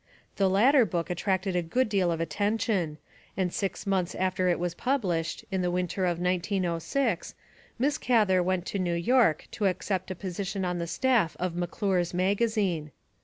The latter book attracted a good deal of attention, and six months after it was published, in the winter of 1906, Miss Gather went to New York to accept a position on the staff of McC lure's Maga zine.